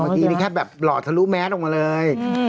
เมื่อกี้นี่แค่แบบหล่อทะลุแมสออกมาเลย